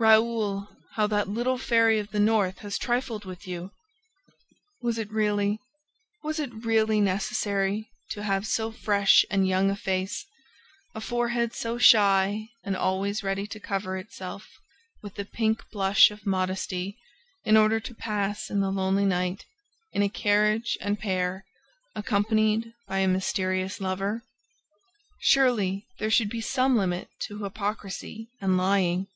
Raoul, how that little fairy of the North has trifled with you! Was it really, was it really necessary to have so fresh and young a face, a forehead so shy and always ready to cover itself with the pink blush of modesty in order to pass in the lonely night, in a carriage and pair, accompanied by a mysterious lover? Surely there should be some limit to hypocrisy and lying!